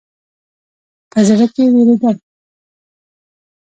په زړه کې وېرېدم.